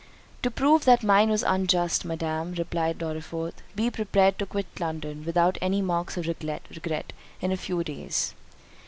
"To prove that mine was unjust, Madam," replied Dorriforth; "be prepared to quit London, without any marks of regret, in a few days."